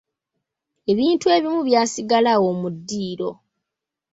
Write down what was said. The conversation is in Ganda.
Ebintu ebimu byasigala awo mu ddiiro.